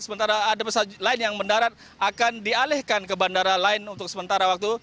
sementara ada pesawat lain yang mendarat akan dialihkan ke bandara lain untuk sementara waktu